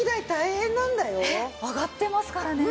上がってますからね。